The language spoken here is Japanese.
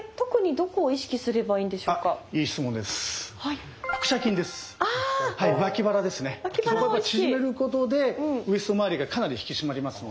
そこを縮めることでウエストまわりがかなり引き締まりますので。